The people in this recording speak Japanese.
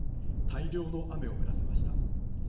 大量の雨を降らせました。